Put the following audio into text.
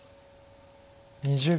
２０秒。